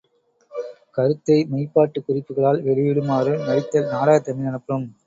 கருத்தை மெய்ப்பாட்டுக் குறிப்புகளால் வெளியிடுமாறு நடித்தல் நாடகத்தமிழ் எனப்படும்.